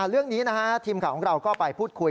เรื่องนี้นะฮะทีมข่าวของเราก็ไปพูดคุย